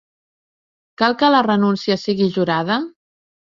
Cal que la renúncia sigui jurada?